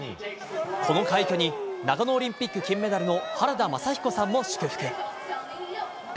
この快挙に長野オリンピック金メダルの原田雅彦さんも祝福。